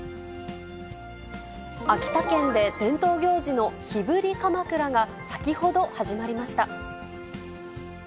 秋田県で伝統行事の火振りかまくらが先ほど始まりました。